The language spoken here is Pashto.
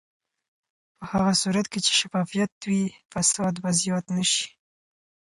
په هغه صورت کې چې شفافیت وي، فساد به زیات نه شي.